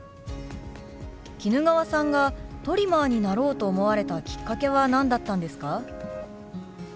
衣川さんがトリマーになろうと思われたきっかけは何だったんですか？